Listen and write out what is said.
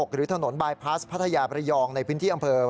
หรือถนนบายพลาสพัทยาประยองในพื้นที่อำเภอ